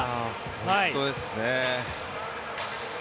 本当ですね。